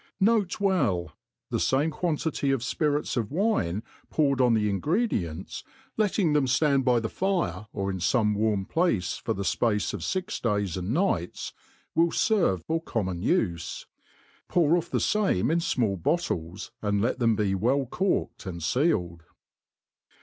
N. B. The fame quantity of fpirits of wine poured on the ingredients, letting them ftand by the fire, or in fome warm place for the fpace of fix day& and nights, will ferve for com noon ufe ; pour ofF the fame in fmall bottles, and let tbeni be ^ell cbrl^ed and feated.